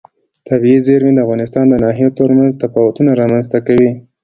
طبیعي زیرمې د افغانستان د ناحیو ترمنځ تفاوتونه رامنځ ته کوي.